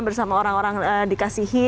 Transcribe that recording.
bersama orang orang dikasihi